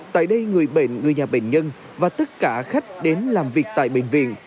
tại đây người bệnh người nhà bệnh nhân và tất cả khách đến làm việc tại bệnh viện